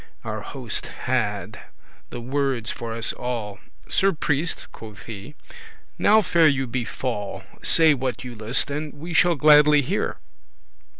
Our Hoste had. the wordes for us all: "Sir Priest," quoth he, "now faire you befall; Say what you list, and we shall gladly hear."